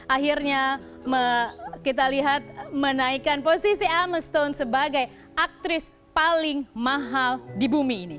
akhirnya kita lihat menaikkan posisi ameston sebagai aktris paling mahal di bumi ini